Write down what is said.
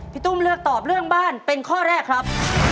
ตุ้มเลือกตอบเรื่องบ้านเป็นข้อแรกครับ